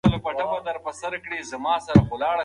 هر ټولنه خپل ځانګړي اصول او مقررات لري.